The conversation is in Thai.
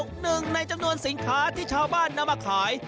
หนึ่งในจำนวนสินค้าที่ชาวบ้านนำมาขาย